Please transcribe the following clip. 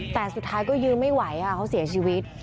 แต่สุดท้ายก็ยืนไม่ไหวเขาเสียชีวิต